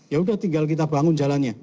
ya udah tinggal kita bangun jalannya